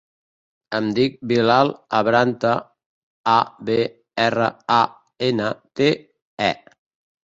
Em dic Bilal Abrante: a, be, erra, a, ena, te, e.